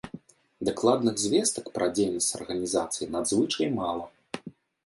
Дакладных звестак пра дзейнасць арганізацыі надзвычай мала.